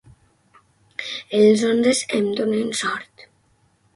Els onzes em donen sort.